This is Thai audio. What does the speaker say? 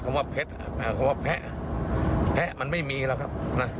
คำพูดแล้วแผะแผะมันไม่มีแล้วครับ